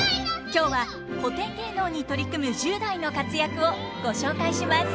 今日は古典芸能に取り組む１０代の活躍をご紹介します。